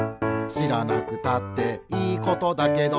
「しらなくたっていいことだけど」